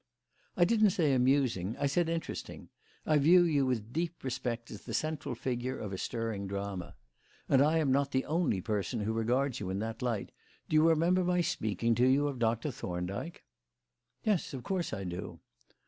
"I didn't say amusing; I said interesting. I view you with deep respect as the central figure of a stirring drama. And I am not the only person who regards you in that light. Do you remember my speaking to you of Doctor Thorndyke?" "Yes, of course I do."